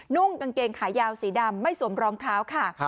นุ่งกางเกงขายาวสีดำไม่สวมรองเท้าค่ะ